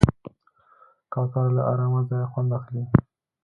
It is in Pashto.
کوتره له آرامه ځایه خوند اخلي.